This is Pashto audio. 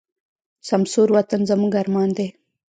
سمسور وطن زموږ ارمان دی.